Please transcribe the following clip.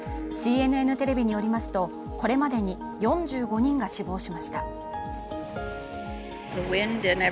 ＣＮＮテレビによりますとこれまでに４５人が死亡しました。